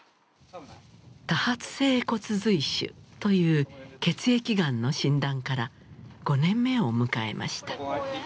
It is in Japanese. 多発性骨髄腫という血液がんの診断から５年目を迎えました。